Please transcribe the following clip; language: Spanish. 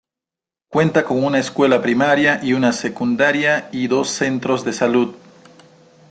Cuenta con una escuela primaria y una secundaria y dos centros de salud.